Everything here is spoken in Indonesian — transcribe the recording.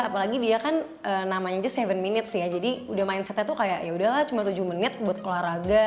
apalagi dia kan namanya aja tujuh minutes ya jadi udah mindsetnya tuh kayak yaudahlah cuma tujuh menit buat olahraga